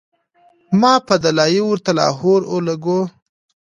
ما پۀ “دلائي” ورته لاهور او لګوو